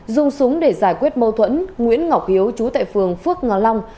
dùng súng để giải quyết mâu thuẫn nguyễn ngọc hiếu trú tại phường phước ngò long